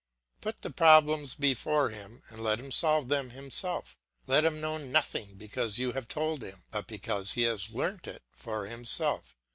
Put the problems before him and let him solve them himself. Let him know nothing because you have told him, but because he has learnt it for himself.